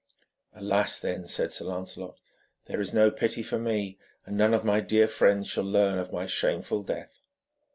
'Alas, then,' said Sir Lancelot, 'there is no pity for me, and none of my dear friends shall learn of my shameful death.'